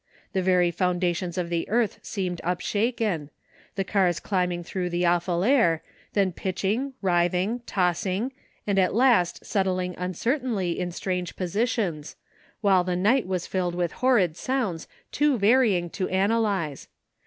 The very foundations of the earth seemed upshaken, the cars climbing through the awftd air, then pitching, writhing, tossing, and at last settling uncertainly in strange positions, while the night was filled with horrid sounds too varying to analyze.